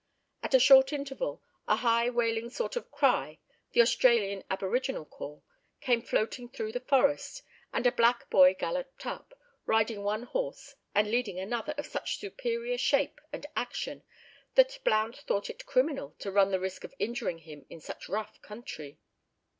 After a short interval, a high wailing sort of cry (the Australian aboriginal call) came floating through the forest, and a black boy galloped up, riding one horse, and leading another of such superior shape and action that Blount thought it criminal to run the risk of injuring him in such rough country.